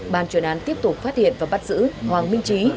bàn truyền án tiếp tục phát hiện và bắt giữ hoàng minh trí